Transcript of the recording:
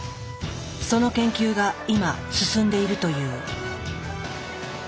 その研究が今進んでいるという。